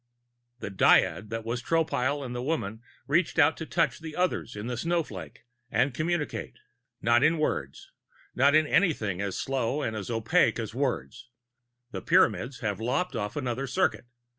The dyad that was Tropile and the woman reached out to touch the others in the snowflake and communicated not in words, not in anything as slow and as opaque as words: _The Pyramids have lopped off another circuit.